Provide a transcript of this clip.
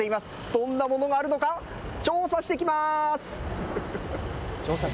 どんなものがあるのか調査してきて。